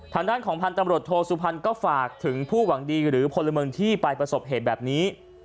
ทางด้านของพันธุ์ตำรวจโทสุพรรณก็ฝากถึงผู้หวังดีหรือพลเมืองที่ไปประสบเหตุแบบนี้